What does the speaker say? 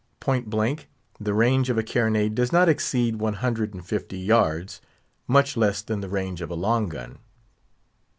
Point blank, the range of a carronade does not exceed one hundred and fifty yards, much less than the range of a long gun.